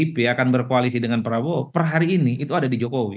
pdip akan berkoalisi dengan prabowo per hari ini itu ada di jokowi